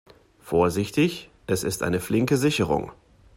Vorsichtig, es ist eine flinke Sicherung.